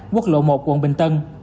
quốc lộ một quận bình tân